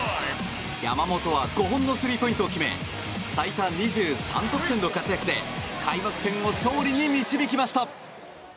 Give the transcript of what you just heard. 山本は５本のスリーポイントを決め最多２３得点の活躍で開幕戦を勝利に導きました。